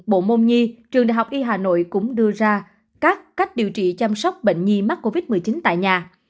bộ môn nhi trường đại học y hà nội cũng đưa ra các cách điều trị chăm sóc bệnh nhi mắc covid một mươi chín tại nhà